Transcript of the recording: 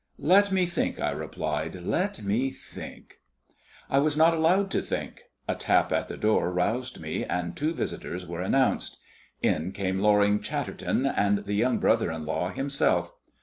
"Let me think," I replied, "let me think." I was not allowed to think; a tap at the door roused me, and two visitors were announced. In came Loring Chatterton, and the young brother in law himself.